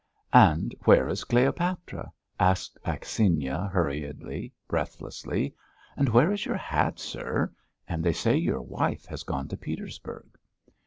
"And where is Cleopatra?" asked Akhsinya hurriedly, breathlessly. "And where is your hat, sir? And they say your wife has gone to Petersburg."